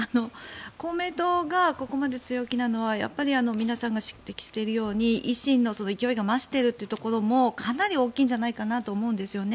公明党がここまで強気なのは皆さんが指摘しているように維新の勢いが増しているというところもかなり大きいんじゃないかなと思うんですね。